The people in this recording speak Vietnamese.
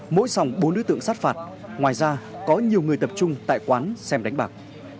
mỗi sòng bốn đối tượng sát phạt ngoài ra có nhiều người tập trung tại quán xem đánh bạc